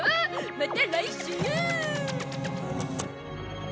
また来週！